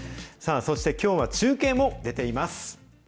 そしてきょうは中継も出ています。